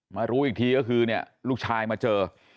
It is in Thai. มารู้ทีคือเนี่ยลูกชายมาเจอ